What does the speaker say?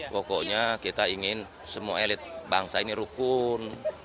pokoknya kita ingin semua elit bangsa ini rukun